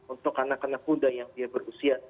untuk anak anak muda yang dia berusia